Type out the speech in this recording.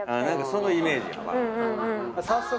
何かそのイメージやわ。